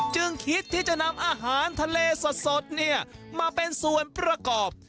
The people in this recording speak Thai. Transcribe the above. จึงคิดที่จะนำอาหารทะเลสดมาเป็นส่วนประกอบ